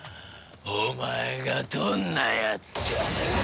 お前がどんなやつか。